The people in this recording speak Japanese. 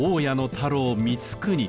太郎光國。